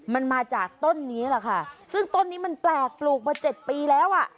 มันมาจากต้นนี้แหละค่ะซึ่งต้นนี้มันแปลกปลูกมาเจ็ดปีแล้วอ่ะ